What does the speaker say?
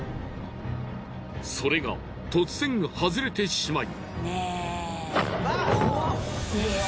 それが突然外れてしまい。